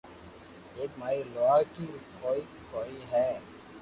ايڪ ماري لوھارڪي رو ڪوم ڪوئي ھوئي